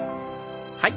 はい。